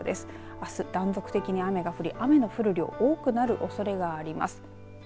あす断続的に雨が降り雨の降る量多くなるおそれがあります。